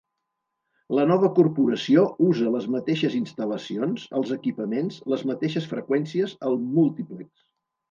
La nova corporació usa les mateixes instal·lacions, els equipaments, les mateixes freqüències, el múltiplex.